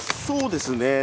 そうですね